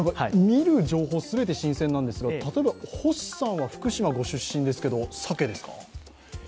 見る情報すべて新鮮なんですが、星さんは福島ご出身ですが、サケですか？